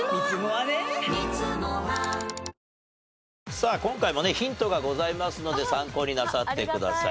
さあ今回もねヒントがございますので参考になさってください。